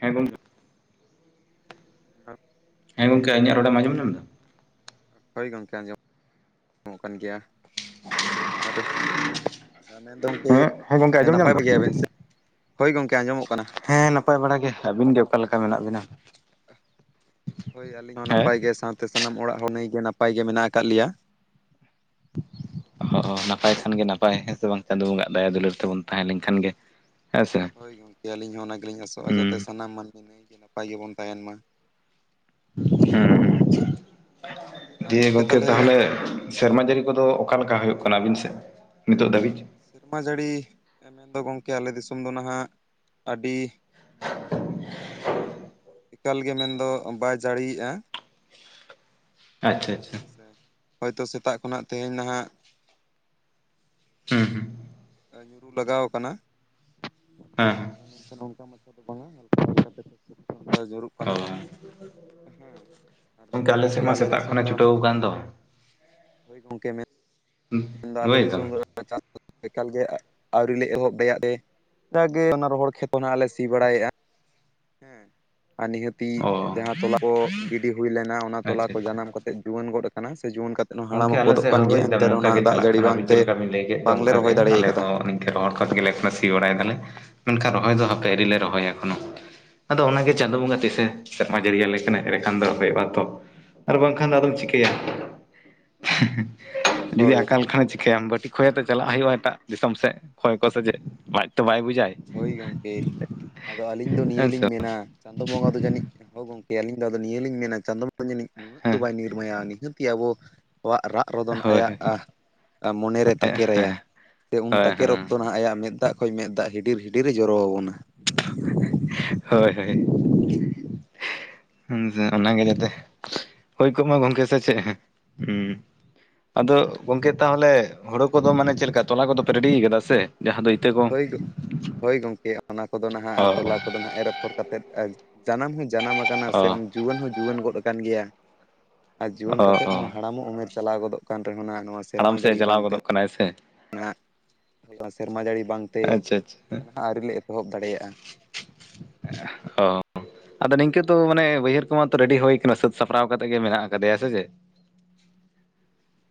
ᱦᱮᱸ ᱜᱚᱝᱠᱮ [inaudible] ᱦᱮᱸ ᱜᱚᱝᱠᱮ ᱤᱧᱟᱹᱜ ᱨᱚᱲᱮᱢ ᱟᱡᱚᱢ ᱧᱟᱢᱫᱟ ᱦᱳᱭ ᱜᱚᱢᱠᱮ ᱟᱸᱡᱚᱢ ᱢᱚᱜ ᱠᱟᱱ ᱜᱮᱭᱟ [unintelligible] ᱦᱮᱸ ᱦᱮᱸ ᱜᱚᱝᱠᱮ ᱟᱸᱡᱚᱢ ᱧᱟᱢ ᱫᱟᱢ? [unintelligible] ᱦᱳᱭ ᱜᱚᱝᱠᱮ ᱟᱸᱡᱚᱢᱚᱜ ᱠᱟᱱᱟ ᱦᱮᱸ ᱱᱟᱯᱟᱭ ᱵᱟᱲᱟ ᱜᱮ ᱟᱹᱵᱤᱱ ᱜᱮ ᱚᱠᱟ ᱞᱮᱠᱟ ᱢᱮᱱᱟᱜ ᱵᱤᱱᱟ? ᱦᱳᱭ ᱟᱹᱞᱤᱧ ᱦᱚᱸ ᱦᱮᱸ ᱱᱟᱯᱟᱭ ᱜᱮ ᱥᱟᱶᱛᱮ ᱥᱟᱱᱟᱢ ᱚᱲᱟᱜ ᱦᱚᱸ ᱱᱟᱹᱭᱜᱮ ᱱᱟᱯᱟᱭ ᱜᱮ ᱢᱮᱱᱟᱜ ᱟᱠᱟᱜ ᱞᱮᱭᱟ᱾ ᱦᱚᱻ ᱱᱟᱯᱟᱭ ᱠᱷᱟᱱᱜᱮ ᱱᱟᱯᱟᱭ ᱦᱮᱸ ᱥᱮ ᱵᱟᱝ ᱪᱟᱸᱫᱳ ᱵᱚᱸᱜᱟᱼᱟᱜ ᱫᱟᱭᱟ ᱫᱩᱞᱟᱹᱲ ᱛᱮᱵᱚᱱ ᱛᱟᱦᱮᱸ ᱞᱮᱝᱠᱷᱟᱱ ᱜᱮ, ᱦᱮᱸ ᱥᱮ ᱦᱳᱭ ᱜᱚᱝᱠᱮ ᱟᱹᱞᱤᱧ ᱦᱚᱸ ᱚᱱᱟ ᱜᱤᱞᱤᱧ ᱟᱥᱚᱜᱼᱟ ᱡᱟᱛᱮ ᱦᱩᱸ ᱥᱟᱱᱟᱢ ᱢᱟᱹᱱᱢᱤ ᱱᱟᱹᱭᱜᱮ ᱱᱟᱯᱟᱭ ᱜᱮᱵᱚᱱ ᱛᱟᱦᱮᱱ ᱢᱟ᱾ ᱦᱩᱸ ᱦᱩᱸ ᱫᱤᱭᱮ ᱜᱚᱝᱠᱮ ᱛᱟᱦᱚᱞᱮ ᱥᱮᱨᱢᱟ ᱡᱟᱹᱨᱤ ᱠᱚᱫᱚ ᱚᱠᱟᱮᱠᱟ ᱦᱳᱭᱳᱜ ᱠᱟᱱᱟ ᱟᱹᱵᱤᱱ ᱥᱮᱜ ᱱᱤᱛᱚᱜ ᱫᱷᱟᱹᱵᱤᱡ? ᱥᱮᱨᱢᱟ ᱡᱟᱹᱲᱤ ᱢᱮᱱᱫᱚ ᱜᱚᱝᱠᱮ ᱟᱞᱮ ᱫᱤᱥᱚᱢ ᱫᱚ ᱱᱟᱦᱟᱜ, ᱟᱹᱰᱤ ᱮᱸᱜ ᱮᱠᱟᱞᱜᱮ ᱢᱮᱱᱫᱚ ᱵᱟᱭ ᱡᱟᱹᱲᱤᱭᱮᱜᱼᱟ᱾ ᱟᱪᱪᱷᱟ ᱟᱪᱪᱷᱟ ᱦᱮᱸ ᱥᱮ ᱦᱳᱭᱛᱚ ᱥᱮᱛᱟᱜ ᱠᱷᱚᱱᱟᱜ ᱛᱮᱦᱮᱧ ᱱᱟᱦᱟᱜ ᱦᱩᱸ ᱦᱩᱸ ᱧᱩᱨᱩ ᱞᱟᱜᱟᱣ ᱠᱟᱱᱟ ᱾ ᱦᱮᱸ ᱱᱚᱝᱠᱟ ᱚᱱᱠᱟ ᱢᱟᱪᱷᱟ ᱫᱚ ᱵᱟᱝᱟ [unintelligible] ᱧᱩᱨᱩᱜ, ᱚᱻ ᱠᱟᱱᱟ ᱦᱮᱸ ᱟᱨ ᱜᱚᱢᱠᱮ ᱢᱮᱱᱫᱚ ᱟᱞᱮ ᱥᱮᱫ ᱜᱚᱝᱠᱮ ᱢᱟ ᱥᱮᱛᱟᱜ ᱠᱷᱚᱱᱮ ᱪᱷᱩᱴᱟᱹᱣ ᱟᱠᱟᱱ ᱫᱚ᱾ ᱦᱳᱹᱭ ᱜᱚᱝᱠᱮ ᱢᱮᱱ ᱫᱟ ᱟᱞᱮ ᱵᱩᱡ ᱫᱟᱢ ᱫᱤᱥᱚᱢ ᱨᱮ ᱪᱟᱸ ᱮᱠᱟᱞ ᱜᱮ ᱟᱹᱣᱨᱤ ᱞᱮ ᱮᱦᱚᱵ ᱫᱟᱲᱮᱭᱟᱜ ᱮ, ᱡᱟᱠᱟᱜᱮ ᱚᱱᱟ ᱨᱚᱦᱚᱲ ᱠᱷᱮᱛᱚ ᱚᱱᱟᱜ ᱞᱮ ᱥᱤ ᱵᱟᱲᱟᱭᱮᱜᱼᱟ ᱾ ᱦᱮᱸ ᱟᱨ ᱱᱤᱦᱟᱹᱛᱤ ᱚ ᱡᱟᱦᱟᱸ ᱛᱚᱞᱟ ᱠᱚ ᱜᱤᱰᱤ ᱦᱩᱭ ᱞᱮᱱᱟ ᱚᱱᱟ ᱛᱚᱞᱟ ᱟᱪᱪᱷᱟ ᱠᱚ ᱟᱪᱪᱷᱟ ᱡᱟᱱᱟᱢ ᱠᱟ ᱛᱮᱜ ᱡᱩᱣᱟᱹᱱ ᱜᱚᱫ ᱟᱠᱟᱱᱟ ᱥᱮ ᱡᱩᱣᱟᱹᱱ ᱠᱟ ᱜᱚᱝᱠᱮ ᱟᱞᱮ ᱥᱮᱫ ᱦᱚᱸ ᱵᱩᱡᱫᱟ ᱱᱚᱝᱠᱟ ᱜᱮ ᱪᱟᱞᱟᱜ ᱡᱟᱹᱲᱤ ᱠᱟᱱᱟᱵᱤᱱ ᱵᱟᱝᱛᱮ ᱪᱮᱫ ᱞᱮᱠᱟ ᱵᱤᱱ ᱞᱟᱹᱭ ᱠᱮᱫ ᱫᱚ ᱵᱟᱝᱞᱮ ᱨᱚᱦᱚᱭ ᱚᱱᱠᱟᱜᱮ ᱫᱟᱲᱮ ᱟᱞᱮ ᱠᱟᱫᱟ ᱦᱚᱸ ᱱᱤᱝ ᱨᱚᱦᱚᱲ ᱜᱮᱫᱞᱮ ᱥᱤ ᱵᱟᱲᱟᱭ ᱫᱟᱞᱮ ᱢᱮᱱᱠᱷᱟᱱ ᱨᱚᱦᱚᱭ ᱫᱚ ᱦᱟᱯᱮ ᱟᱹᱨᱤᱞᱮ ᱨᱚᱦᱚᱭᱟ ᱮᱠᱷᱚᱱᱳ ᱾ ᱟᱫᱚ ᱚᱱᱟᱜᱮ ᱪᱟᱸᱫᱳ ᱵᱚᱸᱜᱟ ᱛᱤᱥᱮ ᱥᱮᱨᱢᱟ ᱡᱟᱹᱲᱤᱭᱟᱹᱞᱮ ᱠᱟᱱᱟᱭ ᱮᱨᱮᱠᱷᱟᱱ ᱫᱚ ᱦᱳᱭᱳᱜᱼᱟᱛᱚ, ᱟᱨ ᱵᱟᱝᱠᱷᱟᱱ ᱫᱚ ᱟᱫᱚᱢ ᱪᱤᱠᱟᱹᱭᱟ, ᱡᱩᱫᱤ ᱦᱳᱭ ᱟᱠᱟᱞ ᱠᱷᱟᱱᱮ ᱪᱤᱠᱟᱭᱟᱢ ᱵᱟᱹᱴᱤ ᱠᱷᱚᱭᱟᱛᱮᱜ ᱪᱟᱞᱟᱜ ᱦᱳᱭᱳᱜᱼᱟ ᱮᱴᱟᱜ ᱫᱤᱥᱚᱢ ᱥᱮᱜ, ᱠᱷᱚᱭ ᱠᱚ ᱥᱮ ᱪᱮᱜ ᱞᱟᱡᱽ ᱛᱚ ᱵᱟᱭ ᱵᱩᱡᱟᱭ? ᱦᱳᱭ ᱜᱚᱝᱠᱮ ᱟᱫᱚ ᱟᱹᱞᱤᱧ ᱫᱚ ᱱᱤᱭᱟᱹ ᱦᱮᱸ ᱥᱮ ᱞᱤᱧ ᱵᱟᱝ? ᱢᱮᱱᱟ, ᱪᱟᱸᱫᱳ ᱵᱚᱸᱜᱟ ᱫᱚ ᱡᱟᱹᱱᱤᱡ ᱦᱚᱲ ᱜᱚᱝᱠᱮ ᱟᱹᱞᱤᱧ ᱫᱚ ᱱᱤᱭᱟᱹ ᱞᱤᱧ ᱢᱮᱱᱟ ᱪᱟᱸᱫᱚᱵᱚᱸᱜᱟ ᱡᱟᱹᱱᱤᱡ ᱱᱟᱹᱜ ᱫᱚ ᱦᱮᱸ ᱵᱟᱭ ᱱᱤᱨ ᱢᱟᱭᱟᱼᱟ ᱱᱤᱦᱟᱹᱛᱤ ᱟᱵᱚᱣᱟᱜ ᱨᱟᱜ ᱨᱚᱫᱳᱱ ᱦᱳᱭ ᱟᱭᱟᱜ ᱦᱳᱭ ᱢᱚᱱᱮᱨᱮ ᱦᱳᱭ ᱛᱟᱠᱮᱨ ᱟᱭᱟ ᱥᱮ ᱩᱱ ᱦᱳᱭ ᱛᱟᱠᱮᱨ ᱦᱮᱸ ᱚᱠᱛᱚ ᱱᱟᱦᱟᱜ ᱟᱭᱟᱜ ᱢᱮᱫ ᱫᱟᱜ, ᱠᱷᱚᱡ ᱢᱮᱫ ᱫᱟᱜ ᱦᱤᱰᱤᱨ ᱦᱤᱰᱤᱨᱮ ᱡᱚᱨᱚ ᱟᱵᱚᱱᱟ ᱾ [unintelligible] ᱦᱳᱹᱭ ᱦᱳᱹᱭ ᱾ ᱦᱮᱸ ᱥᱮ ᱚᱱᱟᱜᱮ ᱡᱟᱛᱮ ᱦᱩᱭ ᱠᱚᱜ ᱢᱟ ᱜᱚᱝᱠᱮ ᱥᱮ ᱪᱮᱫ ᱦᱚ᱾ ᱟᱫᱚ ᱜᱚᱝᱠᱮ ᱛᱟᱦᱚᱞᱮ ᱦᱳᱹᱲᱳ ᱠᱚᱫᱚ ᱢᱟᱱᱮ ᱪᱮᱫᱠᱟ ᱛᱚᱞᱟ ᱠᱚᱫᱚ ᱯᱮ ᱨᱮᱰᱤ ᱟᱠᱟᱫᱟ ᱥᱮ? ᱡᱟᱦᱟᱸ ᱫᱚ ᱤᱛᱟᱹ ᱠᱚ ᱦᱳᱹᱭ ᱜᱳ ᱦᱳᱹᱭ ᱜᱚᱢᱠᱮ ᱚᱱᱟ ᱠᱚᱫᱚ ᱱᱟᱦᱟᱜ ᱚ ᱟᱨ ᱛᱚᱞᱟ ᱠᱚᱫᱚ ᱱᱟᱜ ᱮᱨ ᱯᱚᱨ ᱛᱮᱫ ᱡᱟᱱᱟᱢ ᱦᱚᱸ ᱡᱟᱱᱟᱢ ᱟᱠᱟᱱᱟ ᱚ ᱥᱮ ᱡᱩᱣᱟᱹᱱ ᱦᱚᱸ ᱡᱩᱣᱟᱹᱱ ᱜᱚᱫ ᱟᱠᱟᱱ ᱜᱮᱸᱭᱟ, ᱟᱨ ᱚ ᱡᱩᱣᱟᱹᱱ ᱠᱟ ᱠᱟᱛᱮᱫ ᱚ ᱦᱚᱸ ᱦᱟᱲᱟᱢᱚᱜ ᱩᱢᱮᱨ ᱪᱟᱞᱟᱣ ᱜᱚᱫᱚᱜ ᱠᱟᱱ ᱨᱮᱦᱚᱸ ᱱᱚᱣᱟ ᱥᱮᱨᱢᱟ ᱡᱟᱹᱲᱤ ᱵᱟᱝ ᱛᱮ ᱠᱟᱸᱱᱟᱭ ᱥᱮ [unintelligible] ᱥᱮᱨᱢᱟ ᱡᱟᱹᱲᱤ ᱵᱟᱝᱛᱮ ᱟᱪᱪᱷᱟ ᱟᱹᱣᱨᱤ ᱞᱮ ᱮᱛᱚᱦᱚᱵ ᱫᱟᱲᱮᱭᱟᱜᱼᱟ ᱾ [unintelligible] ᱦᱮᱸ ᱚ, ᱟᱫᱚ ᱱᱤᱝᱠᱟᱹ ᱛᱚ ᱢᱟᱱᱮ ᱵᱟᱹᱭᱦᱟᱹᱲ ᱠᱚᱢᱟᱛᱚ ᱨᱮᱰᱤ ᱦᱚ ᱠᱟᱱᱟ ᱥᱟᱹᱛ ᱥᱟᱹᱯᱲᱟᱣ ᱠᱟᱛᱮᱜ ᱜᱮ ᱢᱮᱱᱟᱜ ᱟᱠᱟᱫᱮᱭᱟ ᱥᱮ ᱪᱮ ᱾ ᱦᱩ [unintelligible]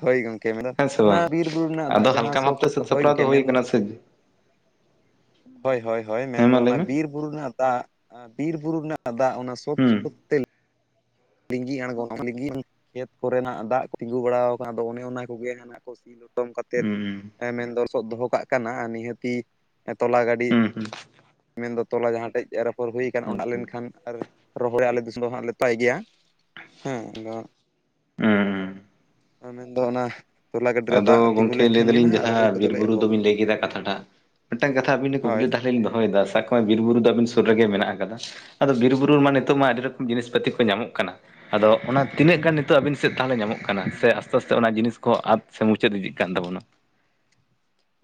ᱦᱳᱹᱭ ᱜᱚᱢᱠᱮ ᱢᱮᱱ ᱚᱱᱟ ᱵᱟᱝ ᱵᱤᱨ ᱵᱩᱨᱩ ᱨᱮᱱᱟᱜ ᱫᱟᱜ ᱟᱫᱚ ᱦᱟᱞᱠᱟ ᱡᱟᱦᱟᱸ ᱥᱚ ᱵᱷᱟᱵᱛᱮ ᱥᱟᱹᱛ ᱦᱳᱹᱭ ᱥᱟᱯᱲᱟᱣ ᱜᱚᱢᱠᱮ ᱢᱮᱱ ᱾ [unintelligible] ᱦᱳᱹᱭ ᱦᱳᱹᱭ ᱦᱳᱹᱭ ᱦᱮᱸ ᱢᱮᱱᱫᱚ ᱢᱟ ᱞᱟᱹᱭ ᱚᱱᱟ ᱢᱮ ᱵᱤᱨ ᱵᱩᱨᱩ ᱨᱮᱱᱟᱜ ᱫᱟᱜ, ᱵᱤᱨ ᱵᱩᱨᱩ ᱨᱮᱱᱟᱜ ᱫᱟᱜ ᱚᱱᱟ ᱥᱳᱫ ᱦᱩᱸ ᱥᱳᱫ ᱛᱮ ᱞᱤᱸᱜᱤ ᱟᱬᱜᱚᱱᱟᱢ ᱞᱤᱜ ᱠᱷᱮᱛ ᱠᱚᱨᱮᱱᱟᱜ ᱫᱟᱜ ᱠᱚ ᱛᱤᱸᱜᱩ ᱵᱟᱲᱟ ᱟᱠᱟᱱᱟ ᱟᱫᱚ ᱚᱱᱮ ᱚᱱᱟ ᱠᱚᱜᱮ ᱦᱟᱸᱜ, ᱠᱚ ᱥᱤ ᱞᱚᱴᱚᱢ ᱠᱟᱛᱮᱫ ᱦᱩᱸ ᱢᱮᱱ ᱞᱚᱥᱚᱫ ᱫᱚᱦᱚ ᱠᱟᱜ ᱠᱟᱱᱟ, ᱱᱤᱦᱟᱹᱛᱤ ᱛᱚᱞᱟ ᱜᱟᱹᱰᱤ ᱦᱩᱸ ᱦᱩᱸ ᱦᱩᱸ ᱢᱮᱱᱫᱚ ᱛᱚᱞᱟ ᱡᱟᱦᱟᱸ ᱴᱷᱮᱡ ᱮᱨ ᱟᱯᱷᱚᱲ ᱦᱩᱭᱚᱠ ᱦᱩᱸ ᱚᱲᱟᱜ ᱞᱮᱱᱠᱷᱟᱱ ᱟᱨ ᱨᱚᱦᱚᱲ ᱟᱞᱮ ᱫᱤᱥᱚᱢ ᱫᱚ ᱦᱟᱸᱜ ᱞᱮᱛᱟᱭ ᱜᱮᱭᱟ ᱾ ᱦᱮᱸ ᱟᱫᱚ ᱦᱩᱸᱩ ᱢᱮᱱ ᱫᱚ ᱚᱱᱟ ᱾ ᱟᱫᱳ ᱜᱚᱢᱠᱮ ᱞᱟᱹᱭ ᱮ ᱫᱟᱞᱤᱧ ᱡᱟᱦᱟᱸ ᱠᱚᱫᱚᱞᱮ ᱵᱤᱨᱵᱩᱨᱩ ᱮᱦᱚᱵᱟ ᱫᱚᱵᱤᱱ ᱞᱟᱹᱭ ᱠᱮᱫᱟ ᱠᱟᱛᱷᱟᱴᱟᱜ ᱢᱤᱫᱴᱟᱝ ᱠᱟᱛᱷ ᱟᱵᱤᱱ ᱴᱮᱱ ᱠᱩᱠᱞᱤ ᱦᱳᱭ ᱞᱤᱧ ᱫᱚᱦᱚᱭ ᱮᱫᱟ ᱥᱟ ᱾ ᱵᱤᱨ ᱵᱩᱨᱩ ᱫᱚ ᱟᱵᱤᱱ ᱥᱩᱨ ᱨᱮᱜᱮ ᱢᱮᱱᱟᱜ ᱟᱠᱟᱫᱟ ᱟᱫᱚ ᱵᱤᱨ ᱵᱩᱨᱩ ᱢᱟ ᱱᱤᱛᱚᱜ ᱦᱳᱭ ᱢᱟ ᱟᱹᱰᱤ ᱨᱚᱠᱚᱢ ᱡᱤᱱᱤᱥ ᱯᱟᱹᱛᱤ ᱠᱚ ᱧᱟᱢᱚᱜ ᱠᱟᱱᱟ ᱾ ᱟᱫᱳ ᱚᱱᱟ ᱛᱤᱱᱟᱹᱜ ᱜᱟᱱ ᱱᱤᱛᱚᱜ ᱟᱵᱤᱱ ᱥᱮᱫ ᱛᱟᱦᱚᱞᱮ ᱧᱟᱢᱚᱜ ᱠᱟᱱᱟ ᱥᱮ ᱟᱥᱛᱮ ᱟᱥᱛᱮ ᱚᱱᱟ ᱡᱤᱱᱤᱥ ᱠᱚ ᱟᱫ ᱾ ᱥᱮᱸ ᱢᱩᱪᱟᱹᱫ ᱤᱫᱤᱜ ᱠᱟᱱ ᱛᱟᱵᱚᱱᱟ ᱾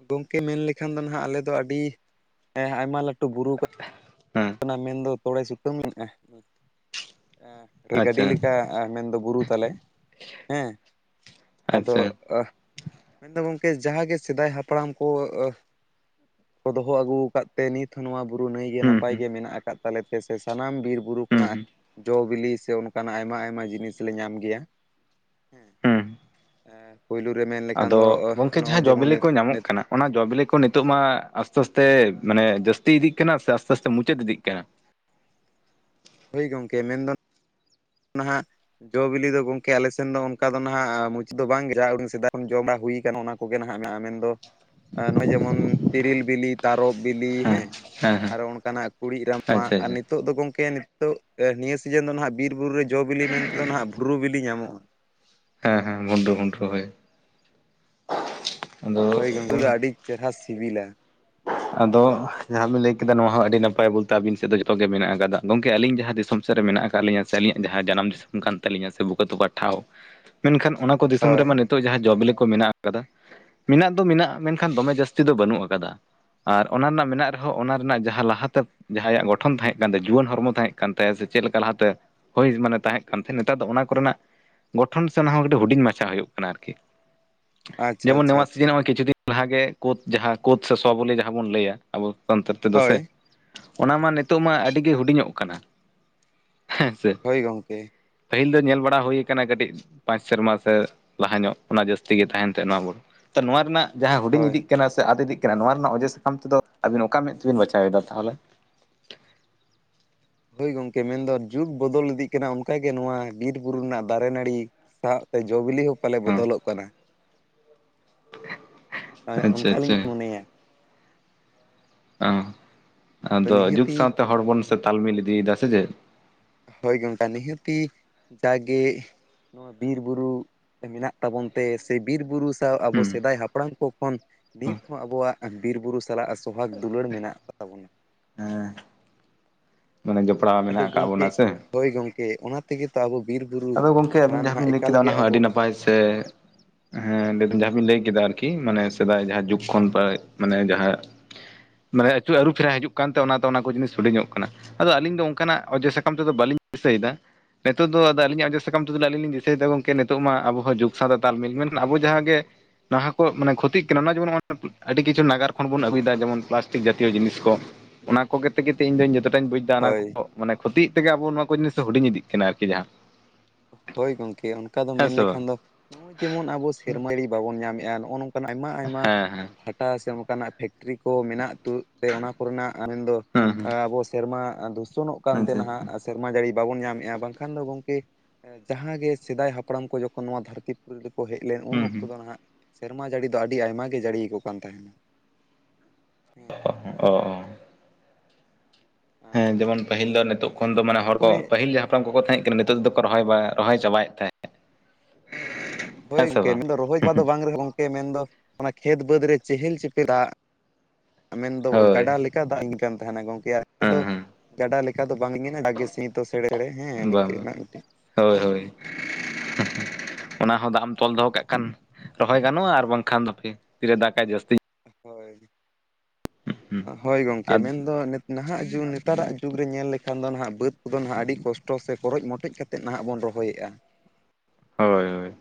ᱜᱚᱝᱠᱮ ᱢᱮᱱ ᱞᱮᱠᱷᱟᱱ ᱫᱚ ᱦᱚᱱᱟᱜ ᱟᱞᱮ ᱫᱚ ᱟᱹᱰᱤ ᱟᱭᱢᱟ ᱞᱟᱹᱴᱩ ᱵᱩᱨᱩ ᱠᱚ ᱾ ᱦᱮᱸ ᱢᱮᱱ ᱫᱚ ᱛᱚᱲᱮ ᱥᱩᱛᱟᱹᱢ ᱢᱮᱱᱟᱜᱼᱟ ᱾ ᱨᱮᱸᱞ ᱜᱟᱹᱰᱤ ᱟᱪᱪᱷᱟ ᱞᱮᱠᱟ ᱢᱮᱱ ᱫᱚ ᱵᱩᱨᱩ ᱛᱟᱞᱮ ᱦᱮᱸ ᱾ ᱟᱫᱳ ᱟᱪᱪᱷᱟ ᱾ ᱢᱮᱱ ᱫᱚ ᱜᱚᱝᱠᱮ ᱡᱟᱦᱟᱸ ᱜᱮ ᱥᱮᱫᱟᱭ ᱦᱟᱯᱲᱟᱢ ᱠᱚ ᱠᱚ ᱫᱚᱦᱚ ᱟᱹᱜᱩ ᱟᱠᱟᱫ ᱾ ᱛᱮ ᱱᱤᱛ ᱦᱚᱸ ᱱᱚᱣᱟ ᱵᱩᱨᱩ ᱱᱟᱹᱭ ᱜᱮ ᱦᱩᱸ ᱱᱟᱯᱟᱭ ᱦᱩᱸ ᱜᱮ ᱢᱮᱱᱟᱜ ᱟᱠᱟᱫ ᱛᱟᱞᱮᱛᱮ ᱥᱮ ᱥᱟᱱᱟᱢ ᱵᱤᱨ ᱵᱩᱨᱩ ᱦᱩᱸ ᱠᱷᱚᱱᱟᱜ ᱦᱩᱸ ᱡᱚ ᱵᱤᱞᱤ ᱥᱮ ᱚᱱᱠᱟᱱᱟᱜ ᱟᱭᱢᱟ ᱟᱭᱢᱟ ᱡᱤᱱᱤᱥ ᱞᱮ ᱧᱟᱢ ᱜᱮᱭᱟ, ᱦᱮᱸ ᱯᱳᱭᱞᱩ ᱨᱮ ᱢᱮᱱ, ᱞᱮᱠᱷᱟᱱ ᱟᱫᱚ ᱫᱚ ᱜᱚᱝᱠᱮ ᱱᱚᱜᱼᱚᱭ ᱡᱟᱦᱟᱸ ᱡᱚ ᱡᱮᱢᱚᱱ ᱵᱤᱞᱤ ᱠᱚ ᱧᱟᱢᱚᱜ ᱠᱟᱱᱟ, ᱚᱱᱟ ᱡᱚᱵᱤᱞᱮ ᱠᱚ ᱱᱤᱛᱚᱜ ᱢᱟ ᱟᱥᱛᱮ ᱟᱥᱛᱮ ᱢᱟᱱᱮ ᱡᱟᱥᱛᱤ ᱤᱫᱤᱜ ᱠᱟᱱᱟ ᱥᱮ ᱟᱥᱛᱮ ᱟᱥᱛᱮ ᱢᱩᱪᱟᱹᱫ ᱤᱫᱤᱜ ᱠᱟᱱᱟ ᱦᱳᱭ ᱜᱚᱝᱠᱮ ᱢᱮᱱᱫᱚ, ᱱᱟᱦᱟᱜ ᱡᱚ ᱵᱤᱞᱤ ᱫᱚ ᱜᱚᱝᱠᱮ ᱟᱞᱮ ᱥᱮᱱ ᱫᱚ ᱚᱱᱠᱟ ᱫᱚ ᱱᱟᱦᱟᱜ ᱢᱩᱪᱟᱹᱫ ᱫᱚ ᱵᱟᱝᱜᱮ ᱡᱟᱦᱟᱸᱟ ᱥᱮᱫᱟᱭ ᱠᱷᱚᱱ ᱡᱚ ᱵᱟᱲᱟ ᱦᱩᱭ ᱟᱠᱟᱱᱟ ᱚᱱᱟ ᱠᱚᱜᱮ ᱱᱟᱦᱟᱜ ᱢᱮᱱᱟᱜᱼᱟ ᱢᱮᱱ ᱫᱚ ᱱᱚᱜᱼᱚᱭ ᱡᱮᱢᱚᱱ ᱛᱤᱨᱤᱞ ᱵᱤᱞᱤ ᱛᱟᱨᱚᱯ ᱵᱤᱞᱤ ᱦᱮᱸ ᱾ ᱟᱨᱚ ᱚᱱᱠᱟᱱᱟᱜ ᱠᱩᱲᱤᱫ ᱨᱟᱢᱟ ᱟᱪᱪᱷᱟ ᱟᱨ ᱟᱪᱪᱷᱟ ᱱᱤᱛᱳᱜ ᱫᱚ ᱜᱚᱝᱠᱮ ᱱᱤᱛᱳᱜ ᱱᱤᱭᱟᱹ ᱥᱤᱡᱤᱱ ᱫᱚ ᱦᱜ ᱵᱤᱨ ᱵᱤᱨ ᱵᱩᱨᱩ ᱨᱮ ᱡᱚ ᱵᱤᱞᱤ ᱢᱮᱱᱛᱮᱫᱚ ᱱᱟᱦᱟᱜ ᱵᱷᱩᱨᱩ ᱵᱤᱞᱤ ᱧᱟᱢᱚᱜᱼᱟ, ᱦᱮᱸ ᱦᱮᱸ ᱵᱷᱩᱱᱰᱩ ᱵᱷᱩᱱᱰ ᱦᱮᱸ ᱦᱚᱭ, ᱦᱳᱭ ᱜᱚᱝᱠ ᱫᱚ ᱟᱹᱰᱤ ᱪᱮᱨᱦᱨᱟ ᱥᱤᱵᱤᱞᱟ, ᱟᱫᱚ ᱡᱟᱦᱟᱸᱵᱤᱱ ᱞᱟᱹᱭ ᱠᱮᱫᱟ ᱱᱚᱣᱟ ᱦᱚᱸ ᱟᱹᱰᱤ ᱱᱟᱯᱟᱭ ᱵᱚᱞᱛᱮ ᱟᱹᱵᱤᱱ ᱥᱮᱫ ᱫᱚ ᱡᱚᱛᱚᱜ ᱜᱮ ᱢᱮᱱᱟᱜ ᱟᱠᱟᱫᱟ, ᱜᱚᱝᱠᱮ ᱟᱹᱞᱤᱧ ᱡᱟᱦᱟᱸ ᱫᱤᱥᱚᱢ ᱥᱮᱫ ᱨᱮ ᱢᱮᱱᱟᱜ ᱟᱠᱟᱜᱣᱟ ᱠᱫ ᱞ ᱥ [unintelligible] ᱮ ᱟᱹᱞᱤᱧᱟᱜ ᱡᱟᱦᱟᱸ ᱡᱟᱱᱟᱢ ᱫᱤᱥᱚᱢ ᱠᱟᱱ ᱛᱟᱹᱞᱤᱧᱟ ᱥᱮ ᱵᱩᱠᱟᱹ ᱛᱟᱠᱚ ᱴᱷᱟᱶ ᱢᱮᱱᱠᱷᱟᱱ ᱚᱱᱟ ᱠᱚ ᱫᱤᱥᱚᱢ ᱦᱳᱭ ᱨᱮᱢᱟ, ᱱᱤᱛᱚᱜ ᱡᱟᱦᱟᱸ ᱡᱚᱵᱞᱤ ᱠᱚ ᱢᱮᱱᱟᱜ ᱟᱠᱟᱫᱟ ᱢᱮᱱᱟᱜ ᱫᱚ ᱢᱮᱱᱟᱜ ᱢᱮᱱᱠᱷᱟᱱ ᱫᱚᱢᱮ ᱡᱟᱹᱥᱛᱤ ᱫᱚ ᱵᱟᱹᱱᱩᱜ ᱟᱠᱟᱫᱟ, ᱟᱨ ᱚᱱᱟ ᱨᱮᱱᱟᱜ ᱢᱮᱱᱟᱜ ᱨᱮᱦᱚᱸ ᱚᱱᱟ ᱨᱮᱱᱟᱜ ᱡᱟᱦᱟᱸ ᱞᱟᱦᱟᱛᱮ ᱡᱟᱦᱟᱸᱭᱟᱜ ᱜᱚᱴᱷᱚᱱ ᱛᱟᱦᱮᱸ ᱠᱟᱱ ᱛᱟᱭᱟ ᱡᱩᱣᱟᱹᱱ ᱦᱚᱲᱢᱚ ᱛᱟᱦᱮᱸ ᱠᱟᱱ ᱛᱟᱭᱟ ᱥᱮ ᱪᱮᱫ ᱞᱮᱠᱟ ᱞᱟᱦᱟᱛᱮ ᱦᱳᱭ ᱢᱟᱱᱮ ᱛᱟᱦᱮᱸ ᱠᱟᱱ ᱛᱟᱦᱮᱸᱫ ᱱᱮᱛᱟᱨ ᱫᱚ ᱚᱱᱟ ᱠᱚᱨᱮᱱᱟᱜ, ᱜᱚᱴᱚᱱ ᱥᱮ ᱚᱱᱟᱦ ᱠᱟᱹᱴᱤᱡ ᱦᱩᱰᱤᱧ ᱢᱟᱪᱷᱟ ᱦᱩᱭᱩᱜ ᱠᱟᱱᱟ ᱟᱨᱠᱤ ᱟᱪᱪᱷᱟ ᱡᱮᱢᱚᱱ ᱟᱪᱪᱷᱟ ᱱᱚᱣᱟ ᱟᱪᱪᱷᱟ ᱥᱤᱡᱤᱱᱜ ᱠᱤᱪᱷᱩ ᱫᱤᱱ ᱚᱱᱟᱜᱮ ᱠᱳᱫ ᱡᱟᱦᱟᱸ ᱠᱳᱫ ᱥᱮ ᱥᱚᱥᱚ ᱵᱚᱞᱤ ᱡᱟᱦᱟᱸ ᱵᱚᱱ ᱞᱟᱹᱭᱟ ᱟᱵᱚ ᱥᱟᱱᱛᱟᱲ ᱛᱮᱫᱚ ᱥᱮ, ᱦᱳᱭ ᱚᱱᱟ ᱢᱟ ᱱᱤᱛᱚᱜ ᱢᱟ ᱟᱹᱰᱤ ᱜᱮ ᱦᱩᱰᱤᱧᱚᱜ ᱠᱟᱱᱟ ᱦᱮᱸ ᱥᱮ ᱦᱳᱭ ᱜᱚᱢᱠᱮ, ᱯᱟᱹᱦᱤᱞ ᱫᱚ ᱧᱮᱞ ᱵᱟᱲᱟ ᱦᱩᱭ ᱟᱠᱟᱱᱟ ᱠᱟᱹᱴᱤᱡ ᱯᱟᱸᱪ ᱥᱮᱨᱢᱟ ᱥᱮ ᱞᱟᱦᱟ ᱧᱚᱜ ᱚᱱᱟ ᱡᱟᱹᱥᱛᱤ ᱜᱮ ᱛᱟᱦᱮᱱ ᱛᱟᱦᱮᱸ ᱱᱚᱣᱟ ᱵᱚᱱ, ᱛᱚ ᱱᱚᱣᱟ ᱨᱮᱱᱟᱜ, ᱡᱟᱦᱟᱸ ᱦᱩᱰᱤᱧ ᱦᱳᱭ ᱤᱫᱤᱜ ᱥᱮ ᱟᱫ ᱤᱫᱤᱜ ᱠᱟᱱᱟ ᱱᱚᱣᱟ ᱨᱮᱱᱟᱜ ᱚᱡᱮ ᱥᱟᱠᱟᱢ ᱛᱚ ᱟᱵᱤᱱ ᱚᱠᱟ ᱢᱮᱫ ᱛᱮᱵᱤᱱ ᱵᱟᱪᱷᱟ ᱮᱫᱟ ᱛᱟᱦᱚᱞᱮ, ᱦᱳᱭ ᱜᱚᱢᱠᱮ ᱢᱮᱱᱫᱚ ᱡᱩᱜᱽ ᱵᱚᱫᱚᱞ ᱤᱫᱤᱜ ᱠᱟᱱᱟ ᱚᱱᱠᱟᱜᱮ ᱱᱚᱣᱟ ᱵᱤᱨ ᱵᱩᱨᱩ ᱨᱮᱱᱟᱜ ᱫᱟᱨᱮ ᱱᱟᱹᱲᱤ, ᱥᱟᱶᱛᱮ ᱡᱚᱼ ᱵᱤᱞᱤ ᱦᱚᱸ ᱯᱟᱞᱮ ᱦᱮᱸ ᱵᱚᱫᱚᱞᱚᱜ ᱠᱟᱱᱟ, ᱟᱪᱪᱷᱟ ᱚᱱᱠᱟᱞᱤᱧ ᱟᱪᱪᱷᱟ ᱢᱚᱱᱮᱭᱟ, ᱚ ᱟᱫᱚ ᱡᱩᱜᱽ ᱥᱟᱶᱛᱮ ᱦᱚᱲ ᱵᱚᱱ ᱥᱮ ᱛᱟᱞᱢᱤᱞ ᱤᱫᱤᱭᱮᱫᱟ ᱥᱮ ᱪᱮᱫ, ᱦ ᱜᱚᱱᱴᱟ ᱱᱦᱛᱤ ᱡᱟᱜᱮ, ᱱᱚᱣᱟ ᱵᱤᱨ ᱵᱩᱨᱩ ᱢᱮᱱᱟᱜ ᱛᱟᱵᱚᱱ ᱛᱮ ᱥᱮ ᱵᱤᱨ ᱵᱩᱨᱩ, ᱥᱟᱶ ᱟᱵᱚ ᱦᱩᱸ ᱥᱮᱫᱟᱭ ᱦᱟᱯᱲᱟᱢ ᱠᱚ ᱠᱷᱚᱱ ᱱᱤᱛ ᱦᱚᱸ ᱟᱵᱚᱣᱟᱜ ᱵᱤᱨ ᱵᱩᱨᱩ ᱥᱟᱞᱟᱜ ᱥᱚᱦᱟᱠ ᱫᱩᱞᱟᱹᱲ ᱢᱮᱱᱟᱜ ᱟᱠᱟ ᱛᱟᱵᱚᱱᱟ, ᱦᱮᱸ ᱢᱟᱱᱮ ᱡᱚᱯᱲᱟᱣ ᱟᱫᱚ ᱢᱮᱱᱟᱜ ᱟᱠᱟᱫ ᱜᱚᱝᱠᱮ ᱵᱚᱱᱟ ᱥᱮ ᱦᱳᱭ ᱜᱚᱢᱠᱮ ᱚᱱᱟ ᱛᱮᱜᱮ ᱛᱚ ᱟᱵᱚ ᱵᱤᱨ ᱵᱩᱨᱩ ᱟᱫᱚ ᱜᱚᱢᱠᱮ ᱪᱷᱟᱲᱟ ᱟᱹᱵᱤᱱ ᱡᱟᱦᱟᱸ ᱱᱟᱦᱟᱜ ᱵᱤᱱ ᱞᱟᱹᱭ ᱮᱠᱟᱞ ᱠᱮᱫᱟ ᱜᱮ ᱚᱱᱟ ᱦᱚᱸ ᱟᱵᱚ ᱟᱹᱰᱤ ᱱᱟᱯᱟᱭ ᱥᱮ ᱦᱮᱸ ᱞᱟᱹᱭ ᱡᱟᱦᱟᱸ ᱵᱤᱱ ᱞᱟᱹᱭ ᱠᱮᱫᱟ ᱟᱨᱠᱤ ᱢᱟᱱᱮ ᱥᱮᱫᱟᱭ ᱡᱟᱦᱟᱸ ᱡᱩᱜᱽ ᱠᱷᱚᱱ ᱢᱟᱱᱮ ᱡᱟᱦᱟᱸ ᱢᱟᱱᱮ ᱟᱹᱪᱩᱨ ᱟᱹᱨᱩ ᱯᱷᱮᱨᱟ ᱦᱤᱡᱩᱜ ᱠᱟᱱᱛᱮ ᱚᱱᱟ ᱚᱱᱟ ᱠᱚ ᱡᱤᱱᱤᱥ ᱦᱚᱰᱤᱧ ᱧᱚᱜ ᱠᱟᱱᱟ ᱟᱫᱚ ᱟᱹᱞᱤᱧ ᱫᱚ ᱚᱱᱠᱟᱱᱟᱜ ᱚᱡᱮ ᱥᱟᱠᱟᱢ ᱛᱮᱫᱚ ᱵᱟᱹᱞᱤᱧ ᱫᱤᱥᱟᱹᱭᱮᱫᱟ ᱱᱤᱛᱚᱜ ᱫᱚ ᱟᱹᱞᱤᱧ ᱚᱡ ᱥᱟᱠᱟᱢ ᱛᱩ ᱟ ᱟᱹᱞᱤᱧ ᱞᱤᱧ ᱫᱤᱥᱟᱹᱭᱮᱫᱟ ᱜᱚᱝᱠᱮ ᱱᱤᱛᱚᱜ ᱢᱟ ᱟᱵᱚᱚᱸ ᱡᱩᱜᱽ ᱥᱟᱶᱛᱮ ᱛᱟᱞᱢᱤᱞ ᱢᱮᱱᱠᱷᱟᱱ ᱟᱵᱚ ᱡᱟᱦᱟᱸ ᱜᱮ ᱱᱟᱦᱟ ᱠᱚ ᱢᱟᱱᱮ ᱠᱷᱚᱛᱤᱜ ᱠᱟᱱᱟ ᱚᱱᱟ ᱡᱮᱢᱚᱱ ᱟᱹᱰᱤ ᱠᱤᱪᱷᱩ ᱱᱟᱜᱟᱨ ᱠᱷᱚᱱ ᱵᱚᱱ ᱟᱹᱜᱩᱭᱮᱫᱟ ᱡᱮᱢᱚᱱ ᱯᱞᱟᱥᱴᱤᱠ ᱡᱟᱛᱤᱭᱚ ᱡᱤᱱᱤᱥ ᱠᱚ ᱚᱱᱟ ᱠᱚᱛᱮ ᱜᱮ ᱤᱧᱫᱚᱧ ᱡᱚᱛᱚᱴᱟᱧ ᱵᱩᱡ ᱮᱫᱟ ᱚᱱᱟ ᱦᱳᱭ ᱠᱚ ᱢᱟᱱᱮ ᱠᱷᱚᱛᱤᱜ ᱟᱵᱚ ᱱᱚᱣᱟ ᱠᱚ ᱡᱤᱱᱤᱥ ᱦᱩᱰᱤᱧ ᱤᱫᱤᱜ ᱠᱟᱱᱟ ᱟᱨᱠᱤ ᱡᱟᱦᱟᱸ ᱦᱳᱭ ᱜᱚᱢᱠᱮ ᱚᱱᱠᱟ ᱫᱚ ᱦᱮᱸ ᱢᱮᱱ ᱥᱮ ᱵᱟᱝ ᱞᱮᱠᱷᱟᱱ ᱫᱚ ᱱᱚᱜ-ᱚᱭ ᱡᱮᱢᱚᱱ ᱟᱵᱚ ᱥᱮᱨᱢᱤ ᱵᱟᱵᱚᱱ ᱧᱟᱢᱮᱫ-ᱟ ᱱᱚᱜ-ᱚ ᱱᱚᱝᱠᱟ ᱚᱱᱠᱟᱱᱟᱜ ᱟᱭᱢᱟ ᱟᱭᱢᱟ ᱦᱮᱸ ᱦᱮᱸ ᱵᱷᱟᱴᱟ ᱥᱮ ᱚᱱᱠᱟᱱᱟᱜ ᱯᱷᱮᱠᱴᱨᱤ ᱠᱚ ᱢᱮᱱᱟᱜ ᱛᱮ ᱚᱱᱟ ᱠᱚᱨᱮᱱᱟᱜ ᱢᱮᱱᱫᱚ ᱦᱩᱸ ᱟᱵᱚ ᱥᱮᱨᱢᱟ ᱫᱩᱥᱚᱱᱚᱜ ᱦᱩᱸ ᱠᱟᱱᱛᱮ ᱱᱟᱦᱟᱜ ᱦᱩᱸ ᱥᱮᱨᱢᱟ ᱡᱟᱹᱲᱤ ᱵᱟᱵᱚᱱ ᱧᱟᱢᱮᱫ-ᱟ ᱵᱟᱝᱠᱷᱟᱱ ᱫᱚ ᱜᱚᱢᱠᱮ ᱡᱟᱦᱟᱸ ᱜᱮ ᱥᱮᱫᱟᱭ ᱦᱟᱯᱲᱟᱢ ᱠᱚ ᱡᱚᱠᱷᱚᱱ ᱱᱚᱣᱟ ᱫᱷᱟᱹᱨᱛᱤ ᱯᱩᱨᱤ ᱨᱮᱠᱚ ᱦᱮᱡ ᱞᱮᱱ ᱩᱱ ᱦᱩᱸ ᱚᱠᱛᱚ ᱫᱚ ᱱᱟᱦᱟᱜ ᱥᱮᱨᱢᱟ ᱡᱟᱹᱲᱤ ᱫᱚ ᱟᱹᱰᱤ ᱟᱭᱢᱟ ᱜᱮ ᱡᱟᱹᱲᱤᱭᱟᱠᱚ ᱠᱟᱱ ᱛᱟᱦᱮᱱᱟ ᱚ ᱟᱨ ᱦᱮᱸ ᱡᱮᱢᱚᱱ ᱯᱟᱹᱦᱤᱞ ᱫᱚ ᱱᱤᱛᱚᱜ ᱠᱷᱚᱱ ᱫᱚ ᱢᱟᱱᱮ ᱦᱚᱲ ᱠᱚ ᱱᱚᱜᱼᱚᱭ ᱯᱟᱹᱦᱤᱞ ᱡᱟᱦᱟᱸ ᱦᱟᱯᱲᱟᱢ ᱠᱚᱠᱚ ᱛᱟᱦᱮᱸ ᱠᱟᱱᱟ ᱱᱤᱛᱚᱜ ᱫᱚ ᱨᱚᱦᱚᱭ ᱪᱟᱵᱟᱭᱮᱫ ᱛᱟᱦᱮᱸᱫ ᱦᱳᱭ ᱦᱮᱸ ᱥᱮ ᱜᱚᱝᱠᱮ ᱵᱟᱝ ᱢᱮᱱᱫᱚ ᱨᱚᱦᱚᱭ ᱢᱟ ᱫᱚ ᱵᱟᱝ ᱨᱮᱦᱚ ᱜᱚᱢᱠᱮ ᱢᱮᱱᱫᱚ ᱚᱱᱟ ᱠᱷᱮᱛ ᱵᱟᱹᱫᱽ ᱨᱮ ᱪᱮᱦᱮᱞ ᱪᱮᱯᱮᱞ ᱫᱟᱜ ᱢᱮᱱᱫᱚ ᱦᱳᱭ ᱜᱟᱰᱟ ᱞᱮᱠᱟ ᱫᱟᱜ ᱞᱤᱜᱤ ᱠᱟᱱ ᱛᱟᱦᱮᱱᱟ ᱜᱚᱝᱠᱮ ᱦᱮᱸ ᱟᱫᱚ ᱦᱮᱸ ᱜᱟᱰᱟ ᱞᱮᱠᱟ ᱪᱮᱠᱟ ᱫᱚ ᱵᱟᱝᱤᱧ ᱡᱟᱜᱮ ᱥᱤᱫᱚ ᱥᱮᱬᱮᱥᱮᱲᱮ ᱦᱮᱸ ᱵᱟᱝ ᱵᱟᱝ ᱱᱤᱝᱠᱟᱹᱱᱟᱜ ᱢᱤᱫᱴᱮᱱ ᱦᱳᱭ ᱦᱳᱭ ᱚᱱᱟ ᱦᱚᱸ ᱫᱟᱜ ᱮᱢ ᱛᱚᱞ ᱫᱚᱦᱚ ᱠᱟᱜ ᱠᱷᱟᱱ ᱨᱚᱦᱚᱭ ᱜᱟᱱᱚᱜ-ᱟ ᱟᱨ ᱵᱟᱝᱠᱷᱟᱱ ᱫᱚᱯᱮ ᱛᱤᱨᱮ ᱫᱟᱠᱟᱭ ᱡᱟᱹᱥᱛᱤ ᱦᱳᱭ ᱦᱳᱭ ᱜᱚᱢᱠᱮ ᱟᱨ ᱢᱮᱱᱫᱚ ᱱᱟᱦᱟᱜ ᱡᱩᱜᱽ ᱱᱮᱛᱟᱨᱟᱜ ᱡᱩᱜᱽ ᱨᱮ ᱧᱮᱞ ᱞᱮᱠᱷᱟᱱ ᱫᱚ ᱱᱟᱦᱟᱜ ᱵᱟᱹᱫᱽ ᱠᱚᱫᱚ ᱱᱟᱦᱟᱜ ᱟᱹᱰᱤ ᱠᱚᱥᱴᱚ ᱥᱮ ᱠᱚᱨᱚᱡ ᱢᱚᱴᱮᱡ ᱠᱟᱛᱮ ᱛᱮᱫ ᱱᱟᱦᱟᱜ ᱵᱚᱱ ᱨᱚᱦᱚᱭᱮᱫ-ᱟ ᱦᱳᱭ ᱦᱳᱭ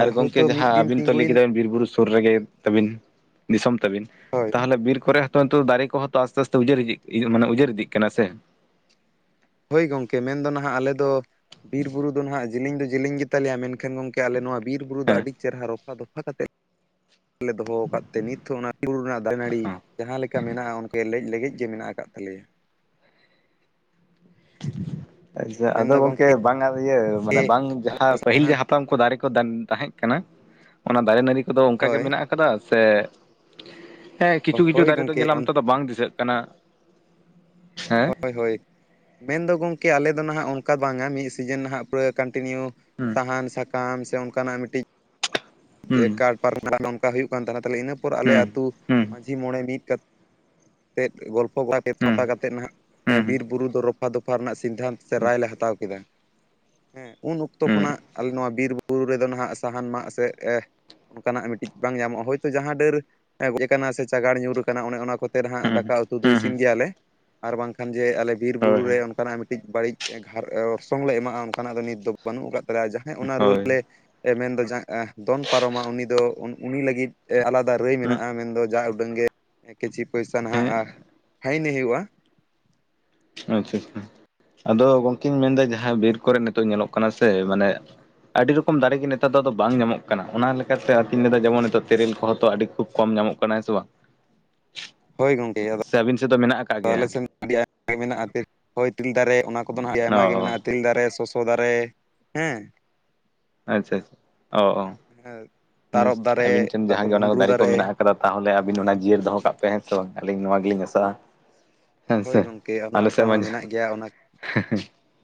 ᱟᱨ ᱜᱚᱢᱠᱮ ᱦᱳᱭᱛᱳ ᱢᱤᱫ ᱡᱟᱦᱟᱸ ᱫᱤᱱ ᱟᱹᱵᱤᱱ ᱛᱚ ᱞᱟᱹᱭ ᱛᱤᱸᱜᱩᱭᱮᱱ ᱠᱮᱫᱟᱵᱤᱱ ᱵᱤᱨ ᱵᱩᱨᱩ ᱥᱩᱨ ᱨᱮᱜᱮ ᱛᱟᱵᱤᱱ ᱫᱤᱥᱚᱢ ᱛᱟᱵᱤᱱ ᱦᱳᱭ ᱛᱟᱦᱚᱞᱮ ᱵᱤᱨ ᱠᱚᱨᱮ ᱛᱚ ᱚᱱᱛᱮ ᱫᱟᱨᱮ ᱠᱚ ᱦᱚᱸᱛᱚ ᱟᱥᱛᱮ ᱟᱥᱛᱮ ᱩᱡᱟᱹᱨ ᱤᱫᱤᱜ ᱢᱟᱱᱮ ᱩᱡᱟᱹᱨ ᱤᱫᱤᱜ ᱥᱮ ᱦᱳᱭ ᱜᱚᱝᱠᱮ ᱢᱮᱱᱫᱚ ᱱᱟᱦᱟᱜ ᱟᱞᱮ ᱫᱚ ᱵᱤᱨ ᱵᱩᱨᱩ ᱫᱚ ᱱᱟᱦᱟᱜ ᱡᱮᱞᱮᱧ ᱫᱚ ᱡᱮᱞᱮᱧ ᱜᱮᱛᱟᱞᱮᱭᱟ ᱢᱮᱱᱠᱷᱟᱱ ᱜᱚᱢᱠᱮ ᱟᱞᱮ ᱱᱚᱣᱟ ᱵᱤᱨ ᱵᱩᱨᱩ ᱫᱚ ᱟᱹᱰᱤ ᱦᱚᱸ ᱪᱮᱦᱨᱟ ᱨᱚᱯᱷᱟ ᱫᱚᱯᱷᱟ ᱠᱟᱛᱮ ᱞᱮ ᱫᱚᱦᱚ ᱟᱠᱟᱫ ᱛᱮ ᱱᱤᱛ ᱦᱚᱸ ᱚᱱᱟ ᱵᱩᱨᱩ ᱨᱮᱱᱟᱜ ᱫᱟᱨᱮ ᱱᱟᱹᱲᱤ ᱡᱟᱦᱟᱸ ᱞᱮᱠᱟ ᱢᱮᱱᱟᱜ-ᱟ ᱚᱱᱠᱟ ᱞᱮᱡ ᱞᱮᱜᱮᱡ ᱜᱮ ᱢᱮᱱᱟᱜ ᱟᱠᱟᱫ ᱛᱟᱞᱮᱭᱟ ᱟᱪᱪᱷᱟ ᱦᱮᱸ ᱟᱫᱚ ᱢᱮᱱᱫᱚ ᱜᱚᱝᱠᱮ ᱵᱟᱝᱟ ᱤᱭᱟᱹ ᱢᱟᱱᱮ ᱵᱟᱝ ᱡᱟᱦᱟᱸ ᱯᱟᱹᱦᱤᱞ ᱡᱟᱦᱟᱸ ᱟᱢᱠᱩ ᱫᱟᱨᱮ ᱠᱚ ᱛᱟᱦᱮᱸ ᱠᱟᱱᱟ ᱚᱱᱟ ᱫᱟᱨᱮ ᱱᱟᱹᱲᱤ ᱠᱚᱫᱚ ᱚᱱᱠᱟ ᱜᱮ ᱦᱳᱭ ᱢᱮᱱᱟᱜ ᱟᱠᱟᱫᱟ ᱥᱮ ᱦᱮᱸ ᱠᱤᱪᱷᱩ ᱠᱤᱪᱷᱩ ᱦᱳᱭ ᱫᱟᱨᱮ ᱫᱚ ᱜᱚᱝᱠᱮ ᱧᱮᱞᱟᱢ ᱱᱮᱛᱚᱜ ᱫᱚ ᱵᱟᱝ ᱫᱤᱥᱟᱹᱜ ᱠᱟᱱᱟ ᱦᱮᱸ ᱦᱳᱭ ᱦᱳᱭ ᱢᱮᱱᱫᱚ ᱜᱚᱢᱠᱮ ᱟᱞᱮ ᱫᱚ ᱱᱟᱦᱟᱜ ᱚᱱᱠᱟ ᱵᱟᱝᱟ ᱢᱤᱫ ᱥᱤᱡᱤᱱ ᱱᱟᱦᱟᱜ ᱯᱩᱨᱟᱹ ᱠᱚᱱᱴᱤᱱᱤᱭᱩ ᱦᱩᱸ ᱥᱟᱦᱟᱱ ᱥᱟᱠᱟᱢ ᱥᱮ ᱚᱱᱠᱟᱱᱟᱜ ᱢᱤᱫᱴᱤᱡ ᱦᱩᱸ ᱠᱟᱴ ᱯᱟᱨᱚᱢᱟᱱᱟ ᱱᱚᱝᱠᱟ ᱦᱩᱭᱩᱜ ᱠᱟᱱ ᱛᱟᱦᱮᱱᱟ ᱛᱟᱦᱚᱞᱮ ᱤᱱᱟᱹ ᱯᱚᱨ ᱟᱞᱮ ᱦᱩᱸ ᱟᱹᱛᱩ ᱦᱩᱸ ᱢᱟᱺᱡᱷᱤ ᱢᱚᱬᱮ ᱢᱤᱫ ᱠᱟᱛᱮ ᱛᱮᱫ ᱜᱚᱞᱯᱷᱚ [unintelligible] ᱦᱩᱸ ᱠᱟᱛᱮᱫ ᱱᱟᱜ ᱦᱩᱸ ᱵᱤᱨ ᱵᱩᱨᱩ ᱫᱚ ᱨᱚᱯᱷᱟ ᱫᱚᱯᱷᱟ ᱨᱮᱱᱟᱜ ᱥᱤᱫᱽᱫᱷᱟᱱᱛᱚ ᱥᱮ ᱦᱩᱸ ᱨᱟᱭ ᱞᱮ ᱦᱟᱛᱟᱣ ᱠᱮᱫᱟ ᱦᱮᱸ ᱩᱱ ᱚᱠᱛᱚ ᱠᱷᱚᱱᱟᱜ ᱟᱞᱮ ᱱᱚᱣᱟ ᱵᱤᱨ ᱵᱩᱨᱩ ᱵᱩᱨᱩ ᱨᱮᱫᱚ ᱱᱟᱦᱟᱜ ᱥᱟᱦᱟᱱ ᱢᱟᱜ ᱥᱮ ᱚᱱᱠᱟᱱᱟᱜ ᱢᱤᱫᱴᱤᱡ ᱵᱟᱝ ᱧᱟᱢᱚᱜ-ᱟ ᱦᱳᱭᱛᱳ ᱡᱟᱦᱟᱸ ᱰᱟᱹᱨ ᱜᱚᱡ ᱟᱠᱟᱱᱟ ᱥᱮ ᱪᱟᱸᱜᱟᱲ ᱧᱩᱨ ᱟᱠᱟᱱᱟ ᱚᱱᱮ ᱚᱱᱟ ᱠᱚᱛᱮ ᱦᱩᱸ ᱦᱩᱸ ᱦᱟᱜ ᱫᱟᱠᱟ ᱩᱛᱩ ᱫᱚ ᱦᱩᱸ ᱤᱥᱤᱱ ᱦᱩᱸ ᱜᱮᱭᱟᱞᱮ ᱟᱨ ᱵᱟᱝᱠᱷᱟᱱ ᱡᱮ ᱟᱞᱮ ᱵᱤᱨ ᱦᱳᱭ ᱵᱩᱨᱮ ᱚᱱᱠᱟᱱᱟᱜ ᱢᱤᱫᱴᱤᱡ ᱵᱟᱹᱲᱤᱡ ᱜᱷᱟ ᱚᱨᱥᱚᱝ ᱞᱮ ᱮᱢᱟᱜ-ᱟ ᱚᱱᱠᱟᱱᱟᱜ ᱫᱚ ᱱᱤᱛ ᱫᱚ ᱵᱟᱹᱱᱩᱜ ᱟᱠᱟᱫ ᱛᱮ ᱡᱟᱦᱟᱸᱭ ᱚᱱᱟ ᱨᱩᱞ ᱦᱳᱭ ᱞᱮ ᱢᱮᱱᱫᱟ ᱫᱚᱱ ᱯᱟᱨᱚᱢᱟ ᱩᱱᱤ ᱫᱚ ᱩᱱᱤ ᱞᱟᱹᱜᱤᱫ ᱟᱞᱟᱫᱟ ᱨᱟᱹᱭ ᱦᱳᱭ ᱢᱮᱱᱟᱜᱼᱟ ᱢᱮᱱᱫᱚ ᱡᱟ ᱩᱰᱟᱹᱝ ᱜᱮ ᱠᱤᱪᱷᱤ ᱯᱚᱭᱥᱟ ᱦᱮᱸ ᱱᱟᱦᱟᱜ ᱯᱷᱟᱭᱤᱱ ᱮ ᱦᱩᱭᱩᱜᱼᱟ ᱟᱪᱪᱷᱟ ᱟᱪᱪᱷᱟ ᱟᱫᱚ ᱜᱚᱝᱠᱮᱧ ᱢᱮᱱᱫᱟ ᱦᱮᱸ ᱡᱟᱦᱟᱸ ᱵᱤᱨ ᱠᱚᱨᱮ ᱱᱤᱛᱚᱜ ᱧᱮᱞᱚᱜ ᱠᱟᱱᱟ ᱥᱮ ᱢᱟᱱᱮ ᱟᱹᱰᱤ ᱨᱚᱠᱚᱢ ᱫᱟᱨᱮ ᱜᱮ ᱱᱮᱛᱟᱨ ᱫᱚ ᱫᱚ ᱵᱟᱝ ᱧᱟᱢᱚᱜ ᱠᱟᱱᱟ ᱚᱱᱟ ᱞᱮᱠᱟᱛᱮ ᱟᱹᱛᱤᱧ ᱞᱮᱫᱟ ᱡᱮᱢᱚᱱ ᱱᱤᱛᱚᱜ ᱛᱮᱨᱮᱞ ᱠᱚᱸ ᱛᱚ ᱟᱹᱰᱤ ᱠᱷᱩᱵ ᱠᱚᱢ ᱧᱟᱢᱚᱜ ᱠᱟᱱᱟ ᱠᱟᱱᱟ ᱦᱮᱥᱮ ᱵᱟᱝ ᱦᱳᱭ ᱜᱚᱝᱠᱮ ᱟᱫᱚ ᱥᱮ ᱟᱹᱵᱤᱱ ᱥᱮᱫ ᱫᱚ ᱢᱮᱱᱟᱜ ᱟ? ᱛᱚ ᱟᱞᱮ ᱥᱮᱱ ᱟᱹᱰᱤ ᱟᱭᱢᱟ ᱜᱮ ᱢᱮᱱᱟᱜᱼᱟ ᱦᱳᱭ ᱛᱮᱨᱮᱞ ᱫᱟᱨᱮ ᱚᱱᱟ ᱠᱚᱫᱚ ᱦᱟᱜ ᱟᱹᱰᱤ ᱟᱭᱢᱟ ᱜᱮ ᱚ ᱢᱮᱱᱟᱜᱼᱟ ᱛᱤᱨᱤᱞ ᱫᱟᱨᱮ ᱥᱚᱥᱚ ᱫᱟᱨᱮ ᱦᱮᱸ ᱟᱪᱪᱷᱟ ᱟᱪᱪᱷᱟ ᱚ ᱦᱮᱸ ᱛᱟᱨᱚᱵ ᱟᱹᱵᱤᱱ ᱫᱟᱨᱮ ᱴᱷᱮᱱ ᱛᱟᱯᱚᱨ ᱡᱟᱦᱟᱸᱜᱮ ᱚᱱᱟ ᱠᱚ ᱵᱷᱩᱸᱰᱨᱩ ᱫᱟᱨᱮ ᱠᱚ ᱢᱮᱱᱟᱜ ᱠᱟᱫᱟ ᱠᱟᱫᱟ ᱛᱟᱦᱚᱞᱮ ᱟᱵᱤᱱ ᱚᱱᱟ ᱡᱤᱭᱟᱹᱲ ᱫᱚ ᱠᱟᱜ ᱯᱮ ᱦᱮᱸ ᱥᱮ ᱵᱟᱝ ᱟᱹᱞᱤᱧ ᱱᱚᱣᱟ ᱜᱮᱞᱤᱧ ᱟᱥᱚᱜᱼᱟ ᱦᱳᱭ ᱜᱚᱢᱠᱮ ᱚᱱᱟ ᱟᱥᱟ ᱢᱟ ᱢᱮᱱᱟᱜ ᱜᱮᱭᱟ ᱚᱱᱟ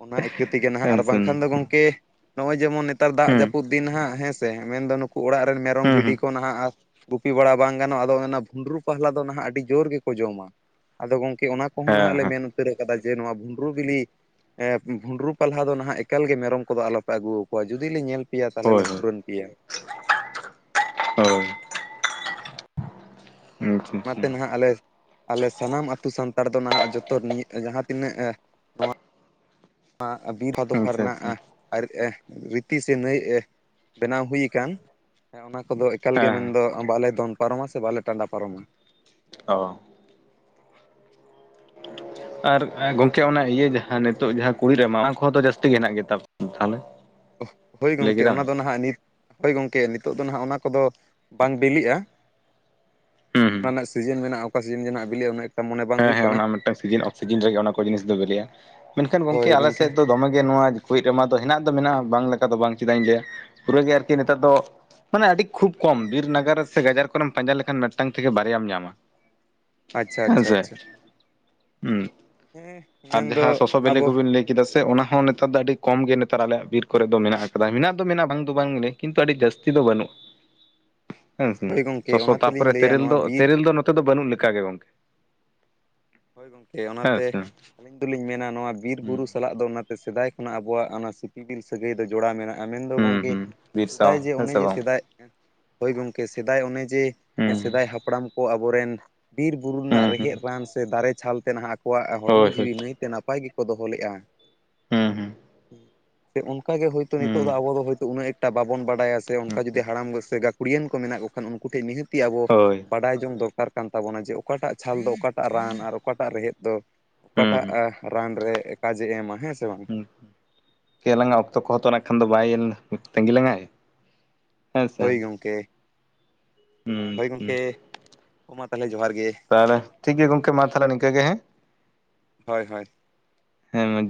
ᱚᱱᱟ ᱤᱭᱟᱹ ᱛᱮᱜᱮ ᱱᱟᱦᱟᱜ ᱦᱮᱸ ᱟᱨ ᱥᱮ ᱵᱟᱝᱠᱷᱟᱱ ᱦᱩᱸ ᱫᱚ ᱜᱚᱢᱠᱮ ᱱᱚᱜᱼᱚᱭ ᱡᱮᱢᱚᱱ ᱱᱮᱛᱟᱨ ᱫᱟᱜ ᱦᱩᱸ ᱡᱟᱹᱯᱩᱫ ᱫᱤᱱ ᱦᱟᱸᱜ ᱦᱮᱸ ᱥᱮ ᱢᱮᱱ ᱫᱚ ᱱᱩᱠᱩ ᱚᱲᱟᱜ ᱨᱮᱱ ᱢᱮᱨᱚᱢ ᱵᱷᱤᱰᱤ ᱦᱩᱸ ᱠᱚ ᱱᱟᱦᱟᱜ ᱟᱨ ᱜᱩᱯᱤ ᱵᱟᱲᱟ ᱵᱟᱝ ᱜᱟᱱᱚᱜᱼᱟ ᱟᱫᱚ ᱚᱱᱟ ᱵᱷᱩᱸᱰᱨᱩ ᱯᱟᱦᱞᱟ ᱫᱚ ᱱᱟᱦᱟᱜ ᱟᱹᱰᱤ ᱡᱳᱨ ᱜᱮ ᱠᱚ ᱡᱚᱢᱟ ᱟᱫᱚ ᱜᱚᱝᱠᱮ ᱚᱱᱟ ᱚᱦᱚᱸ ᱦᱮᱸ ᱱᱟᱦᱟᱜ ᱞᱮ ᱦᱮᱸ ᱢᱮᱱ ᱩᱛᱟᱹᱨ ᱠᱟᱫᱟ ᱡᱮ ᱱᱚᱣᱟ ᱵᱷᱩᱸᱰᱨᱩ ᱵᱤᱞᱤ ᱦᱮᱸ ᱵᱷᱩᱸᱰᱨᱩ ᱯᱟᱞᱦᱟ ᱫᱚ ᱱᱟᱦᱟᱜ ᱮᱠᱟᱞ ᱜᱮ ᱢᱮᱨᱚᱢ ᱠᱚᱫᱚ ᱟᱞᱚᱯᱮ ᱟᱹᱜᱩ ᱟᱠᱚᱣᱟ ᱡᱩᱫᱤ ᱞᱤᱧ ᱧᱮᱞ ᱯᱮᱭᱟ ᱛᱟᱞᱦᱮ ᱞᱮ ᱦᱳᱭ ᱯᱷᱩᱨᱟᱹᱱ ᱯᱮᱭᱟ ᱦᱳᱭ ᱦᱩᱸ ᱟᱫᱚ ᱟᱪᱪᱷᱟ ᱟᱪᱪᱷᱟ ᱚᱱᱟᱛᱮ ᱱᱟᱦᱟᱜ ᱟᱞᱮ ᱟᱞᱮ ᱥᱟᱱᱟᱢ ᱟᱹᱛᱩ ᱥᱟᱱᱛᱟᱲ ᱫᱚ ᱱᱟᱦᱟᱜ ᱡᱚᱛᱚ ᱱᱤᱭᱟᱹ ᱡᱟᱦᱟᱸ ᱛᱤᱱᱟᱹᱜ ᱮ ᱟᱜ ᱵᱤᱨ ᱦᱚ ᱟᱫᱚ ᱯᱷᱟᱨᱱᱟᱜ-ᱟ ᱟᱪᱪᱷᱟ ᱟᱨ ᱨᱤᱛᱤ ᱥᱮ ᱱᱟᱹᱭ ᱵᱮᱱᱟᱣ ᱦᱩᱭ ᱟᱠᱟᱱ ᱦᱮᱸ ᱚᱱᱟ ᱠᱚᱫᱚ ᱮᱠᱟᱞ ᱜᱮ ᱦᱮᱸ ᱢᱮᱱ ᱦᱮᱸ ᱫᱚ ᱵᱟᱞᱮ ᱫᱚᱱ ᱯᱟᱨᱚᱢᱟ ᱥᱮ ᱵᱟᱞᱮ ᱴᱟᱸᱰᱟ ᱯᱟᱨᱚᱢᱟ ᱚ ᱟᱨ ᱜᱚᱢᱠᱮ ᱚᱱᱟ ᱤᱭᱟᱹ ᱡᱟ ᱦᱮᱸ ᱱᱤᱛᱚᱜ ᱡᱟᱦᱟᱸ ᱠᱩᱲᱤᱡᱽ ᱨᱟᱢᱟ ᱚᱱᱟ ᱠᱚᱦᱚᱸ ᱫᱚ ᱡᱟᱹᱥᱛᱤ ᱜᱮ ᱦᱮᱱᱟᱜ ᱜᱮᱛᱟ ᱯᱮ ᱛᱟᱦᱚᱞᱮ ᱦᱳᱭ ᱞᱟᱹᱭ ᱜᱚᱢᱠᱮ ᱠᱮᱫᱟᱢ ᱚᱱᱟ ᱫᱚ ᱱᱟᱦᱟᱜ ᱱᱤᱛ ᱦᱳᱭ ᱜᱚᱢᱠᱮ ᱱᱤᱛᱚᱜ ᱫᱚ ᱱᱟᱦᱟᱜ ᱚᱱᱟ ᱠᱚᱫᱚ ᱵᱟᱝ ᱵᱤᱞᱤᱜᱼᱟ ᱦᱩᱸ ᱚᱱᱟ ᱨᱮᱱᱟᱜ ᱥᱤᱡᱤᱱ ᱢᱮᱱᱟᱜᱼᱟ ᱚᱠᱟ ᱥᱤᱡᱤᱱ ᱵᱤᱞᱤᱜᱟ ᱚᱱᱟ ᱦᱮᱸ ᱦᱮᱸ ᱚᱱᱟ ᱢᱤᱫᱴᱟᱝ ᱥᱤᱡᱤᱱ ᱚᱯᱷ ᱥᱤᱡᱤᱱ ᱨᱮᱜᱮ ᱚᱱᱟ ᱠᱚ ᱡᱤᱱᱤᱥ ᱫᱚ ᱵᱮᱞᱮᱜ-ᱟ ᱢᱮᱱᱠᱷᱟᱱ ᱜᱚᱝᱠᱮ ᱦᱳᱭ ᱟᱞᱮ ᱥᱮᱫ ᱢᱮᱱᱠᱷᱟᱱ ᱫᱚ ᱫᱚᱢᱮᱜᱮ ᱱᱚᱣᱟ ᱠᱩᱲᱤᱡᱽ ᱨᱟᱢᱟ ᱫᱚ ᱦᱮᱱᱟᱜ ᱫᱚ ᱢᱮᱱᱟᱜᱼᱟ ᱵᱟᱝ ᱞᱮᱠᱟ ᱫᱚ ᱵᱟᱝ ᱪᱮᱫᱟᱜ ᱤᱧ ᱞᱟᱹᱭᱟ ᱯᱩᱨᱟᱹ ᱜᱮ ᱟᱨᱠᱤ ᱱᱮᱛᱟᱨ ᱫᱚ ᱢᱟᱱᱮ ᱟᱹᱰᱤ ᱠᱷᱩᱵ ᱠᱚᱢ ᱵᱤᱨ ᱱᱟᱜᱟᱨ ᱥᱮ ᱜᱟᱡᱟᱨ ᱠᱚ ᱨᱮᱢ ᱯᱟᱸᱡᱟ ᱞᱮᱠᱷᱟᱱ ᱢᱤᱫᱴᱟᱝ ᱛᱷᱮᱠᱮ ᱵᱟᱨᱭᱟᱢ ᱧᱟᱢᱟ᱾ ᱟᱪᱪᱷᱟ ᱟᱪᱷᱟ ᱦᱮᱸᱥᱮ ᱟᱪᱷᱟ ᱦᱩᱸ ᱟᱨ ᱡᱟᱦᱟᱸ ᱢᱮᱱᱫᱚ ᱥᱚᱥᱚ ᱵᱮᱞᱮ ᱟᱵᱚ ᱠᱚᱵᱤᱱ ᱞᱟᱹᱭ ᱠᱮᱫᱟ ᱥᱮ ᱚᱱᱟ ᱦᱚᱸ ᱱᱮᱛᱟᱨ ᱫᱚ ᱟᱹᱰᱤ ᱠᱚᱢ ᱜᱮ ᱱᱮᱛᱟᱨ ᱟᱞᱮᱭᱟᱜ ᱵᱤᱨ ᱠᱚᱨᱮ ᱫᱚ ᱢᱮᱱᱟᱜ ᱟᱠᱟᱫᱟ ᱢᱮᱱᱟᱜ ᱫᱚ ᱢᱮᱱᱟᱜᱼᱟ ᱵᱟᱝ ᱫᱚ ᱵᱟᱝ ᱜᱮ ᱠᱤᱱᱛᱩ ᱟᱹᱰᱤ ᱡᱟᱹᱥᱛᱤ ᱫᱚ ᱵᱟᱹᱱᱩᱜ ᱦᱩᱸ ᱦᱩᱸ ᱦᱳᱭ ᱜᱚᱢᱠᱮ ᱥᱚᱥᱚ ᱚᱱᱟ ᱛᱮᱞᱤᱧ ᱛᱟᱯᱚᱨᱮ ᱞᱟᱹᱭᱟ ᱛᱮᱨᱮᱞ ᱱᱚᱣᱟ ᱫᱚ ᱵᱤᱨ ᱛᱮᱨᱮᱞ ᱫᱚ ᱱᱚᱛᱮ ᱫᱚ ᱵᱟᱹᱱᱩᱜ ᱞᱮᱠᱟ ᱜᱮ ᱜᱚᱝᱠᱮ ᱦᱳᱭ ᱜᱚᱝᱠᱮ ᱦᱮᱸ ᱚᱱᱟᱛᱮ ᱥᱮ ᱟᱹᱞᱤᱧ ᱫᱚᱞᱤᱧ ᱢᱮᱱᱟ ᱱᱚᱣᱟ ᱵᱤᱨ ᱦᱩᱸ ᱵᱩᱨᱩ ᱥᱟᱞᱟᱜ ᱚᱱᱟᱛᱮ ᱥᱮᱫᱟᱭ ᱠᱷᱚᱱᱟᱜ ᱟᱵᱚᱣᱟᱜ ᱚᱱᱟ ᱥᱤᱯᱤᱵᱤᱞ ᱥ ᱥᱟᱹᱜᱟᱹᱭ ᱫᱚ ᱡᱚᱲᱟᱣ ᱢᱮᱱᱟᱜᱼᱟ ᱢᱮᱱᱫᱚ ᱦᱩᱸ ᱜᱚᱝᱠᱮ ᱦᱩᱸ ᱵᱤᱨ ᱥᱟᱶ ᱥᱮᱫᱟᱭ ᱡᱮ ᱦᱮᱸ ᱚᱱᱮ ᱥᱮ ᱡᱮ ᱵᱟᱝ ᱥᱮᱫᱟᱭ ᱦᱳᱭ ᱜᱚᱝᱠᱮ ᱥᱮᱫᱟᱭ ᱚᱱᱮ ᱡᱮ ᱦᱩᱸ ᱥᱮᱫᱟᱭ ᱦᱟᱯᱲᱟᱢ ᱠᱚ ᱟᱵᱚᱨᱮᱱ ᱵᱤᱨ ᱵᱩᱨᱩ ᱨᱮᱱᱟᱜ ᱦᱩᱸ ᱦᱩᱸ ᱨᱮᱦᱮᱫ ᱨᱟᱱ ᱥᱮ ᱫᱟᱨᱮ ᱪᱷᱟᱞ ᱛᱮ ᱱᱟᱦᱟᱜ ᱟᱠᱚᱣᱟᱜ ᱦᱚᱲᱢᱚ ᱦᱳᱭ ᱦᱳᱭ ᱡᱤᱣᱤ ᱱᱟᱹᱭᱛᱮ ᱱᱟᱯ ᱯᱟᱭ ᱜᱮᱠᱚ ᱫᱚᱦᱚ ᱞᱮᱜ-ᱟ ᱦᱩᱸ ᱦᱩᱸ ᱥᱮ ᱚᱱᱠᱟ ᱜᱮ ᱦᱳᱭᱛᱳ ᱱᱤᱛᱚᱜ ᱫᱚ ᱟᱵᱚ ᱦᱩᱸ ᱫᱚ ᱦᱚᱭᱛᱟ ᱩᱱᱟᱹᱜ ᱮᱠᱴᱟ ᱵᱟᱵᱚᱱ ᱵᱟᱰᱟᱭᱟ ᱥᱮ ᱚᱱᱠᱟ ᱡᱩᱫᱤ ᱦᱟᱲᱟᱢ ᱥᱮ ᱜᱟ ᱠᱷᱩᱲᱤᱭᱟᱹᱱ ᱠᱚ ᱢᱮᱱᱟᱜ ᱠᱚ ᱠᱷᱟᱱ ᱩᱱᱠᱩ ᱴᱷᱮᱱ ᱱᱤᱦᱟᱹᱛᱤ ᱟᱵᱚ ᱦᱳᱭ ᱵᱟᱰᱟᱭ ᱡᱚᱝ ᱫᱚᱨᱠᱟᱨ ᱠᱟᱱ ᱛᱟᱵᱚᱱᱟ ᱡᱮ ᱚᱠᱟᱴᱟᱜ ᱪᱷᱟᱞ ᱫᱚ ᱚᱠᱟ ᱴᱟᱜ ᱨᱟᱱ ᱟᱨ ᱚᱠᱟᱴᱟᱜ ᱨᱮᱦᱮᱫ ᱫᱚ ᱚᱠᱟᱴᱟᱜ ᱦᱩᱸ ᱨᱟᱱ ᱨᱮ ᱠᱟᱡ ᱮ ᱮᱢᱟ ᱦᱮᱸ ᱥᱮ ᱵᱟᱝ ᱟᱞᱟᱝᱼᱟᱜ ᱚᱠᱛᱚ ᱠᱚ ᱦᱚᱛᱚ ᱱᱟᱜ ᱠᱷᱟᱱ ᱫᱚ ᱵᱟᱭ ᱛᱟᱸᱟᱹᱜᱤ ᱞᱟᱝᱟᱭ ᱦᱮᱸ ᱥᱮ ᱦᱳᱭ ᱦᱩᱸ ᱜᱚᱝᱠᱮ ᱦᱳᱭ ᱦᱩᱸ ᱜᱚᱝᱠᱮ ᱢᱟ ᱛᱟᱦᱚᱞᱮ ᱡᱚᱦᱟᱨ ᱜᱮ᱾ ᱛᱟᱦᱚᱞᱮ ᱴᱷᱤᱠ ᱜᱮᱭᱟ ᱜᱚᱝᱠᱮ ᱢᱟ ᱛᱟᱦᱞᱮ ᱱᱤᱝᱠᱟᱹ ᱜᱮ ᱦᱮᱸ ᱦᱳᱭ ᱦᱳᱭ ᱦᱮᱸ ᱢᱟ